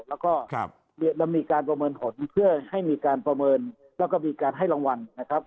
แล้วก็เรามีการประเมินผลเพื่อให้มีการประเมินแล้วก็มีการให้รางวัลนะครับ